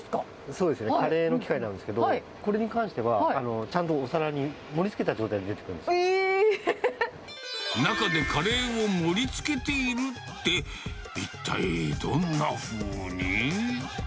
そうですね、カレーの機械なんですけど、これに関しては、ちゃんとお皿に盛りつけた状態で中でカレーを盛りつけているって、一体どんなふうに？